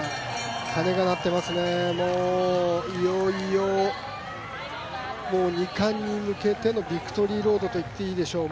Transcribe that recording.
鐘が鳴ってますね、いよいよ２冠に向けてのビクトリーロードといっていいでしょう。